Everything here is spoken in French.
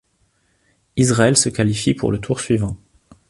Israël se qualifie pour le tour suivant.